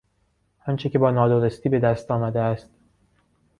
آنچه که با نادرستی به دست آمده است.